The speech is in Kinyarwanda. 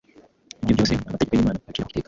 ibyo byose amategeko y’Imana abiciraho iteka.